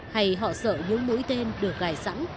hay họ sợ những mũi tên được gài sẵn